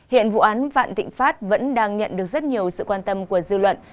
hiện vụ án vạn tịnh phát vẫn đang nhận được rất nhiều sự quan tâm của dư luận